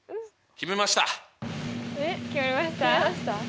決めました？